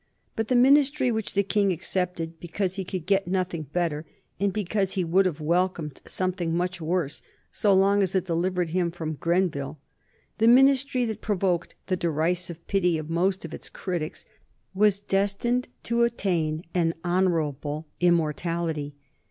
But the Ministry which the King accepted because he could get nothing better, and because he would have welcomed something much worse so long as it delivered him from Grenville the Ministry that provoked the derisive pity of most of its critics was destined to attain an honorable immortality.